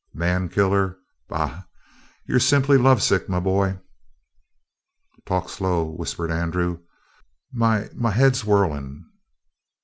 Man killer? Bah! You're simply lovesick, my boy!" "Talk slow," whispered Andrew. "My my head's whirling."